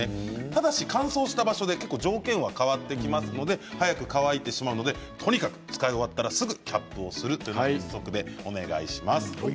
ただし乾燥した場所で条件が変わってくるので早く乾いてしまうのでとにかく使い終わったらすぐキャップをするとお願いします。